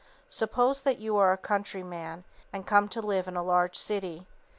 Suppose that you are a countryman and come to live in a large city.